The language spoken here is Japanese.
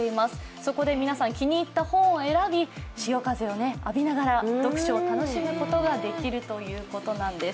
そこで皆さん、気に入った本を選び潮風を浴びながら読書を楽しむことができるということなんです。